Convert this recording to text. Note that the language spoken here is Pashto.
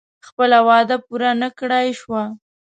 خپله وعده پوره نه کړای شوه.